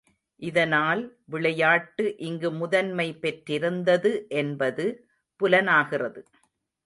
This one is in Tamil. இதனால் விளையாட்டு இங்கு முதன்மை பெற்றிருந்தது என்பது புலனாகிறது.